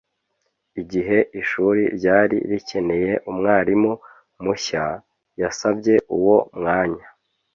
Igihe ishuri ryari rikeneye umwarimu mushya, yasabye uwo mwanya.